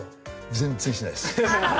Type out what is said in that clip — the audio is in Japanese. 全然しないです。